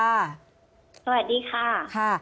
สวัสดีค่ะ